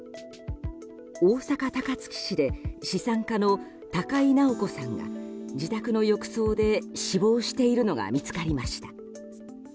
大阪・高槻市で資産家の高井直子さんが自宅の浴槽で死亡しているのが見つかりました。